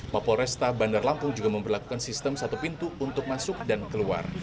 mapo resta bandar lampung juga memperlakukan sistem satu pintu untuk masuk dan keluar